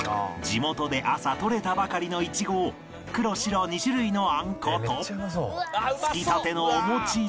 地元で朝採れたばかりのイチゴを黒白２種類のあんことつきたてのお餅で